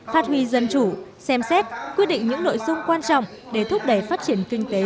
phát huy dân chủ xem xét quyết định những nội dung quan trọng để thúc đẩy phát triển kinh tế